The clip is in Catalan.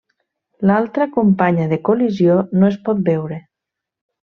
L'altra companya de col·lisió no es pot veure.